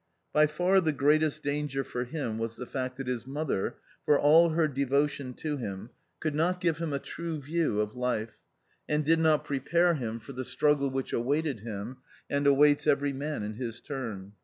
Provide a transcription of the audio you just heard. f By far the greatest danger for him was the fact that his Tnother, for all her devotion to him, could not give him a true view of life, and did not prepare him for the struggle A COMMON STORY .11 which awaited him and awaits every man in his turn.